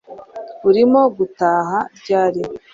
Urimo gutaha ryari